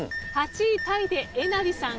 ８位タイでえなりさん